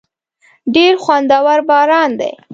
ډېر خوندور باران دی.